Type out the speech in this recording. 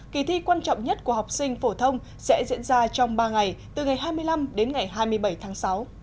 kỳ thi quan trọng nhất của học sinh phổ thông sẽ diễn ra trong ba ngày từ ngày hai mươi năm đến ngày hai mươi bảy tháng sáu